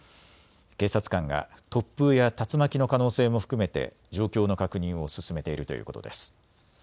警察官が突風や竜巻の可能性も含めて状況の確認を進めているということです。